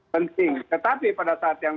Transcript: penting tetapi pada saat yang